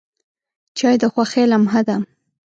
چای د خوښۍ لمحه ده.